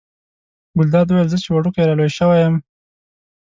ګلداد وویل زه چې وړوکی را لوی شوی یم.